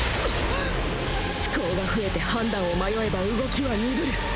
思考が増えて判断を迷えば動きは鈍る